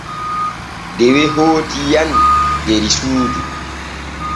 Dewe hooti nyani der suudu.